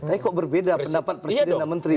tapi kok berbeda pendapat presiden dan menteri